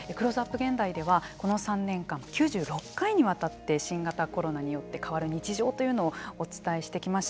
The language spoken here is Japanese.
現代ではこの３年間９６回にわたって新型コロナによって変わる日常というのをお伝えしてきました。